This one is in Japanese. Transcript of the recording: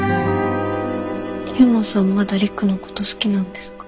悠磨さんまだ陸のこと好きなんですか？